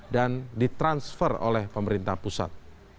dan ditransfer oleh pemerintah pusat